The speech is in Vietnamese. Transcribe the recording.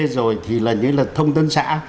rồi thì là những lần thông tân xã